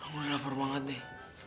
gue lapar banget deh